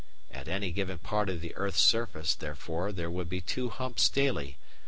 At any given part of the earth's surface, therefore, there would be two humps daily, i.